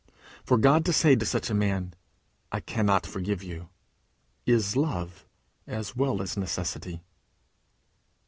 For God to say to such a man, "I cannot forgive you," is love as well as necessity.